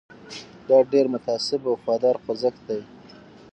دا ډېر متعصب او وفادار خوځښت دی.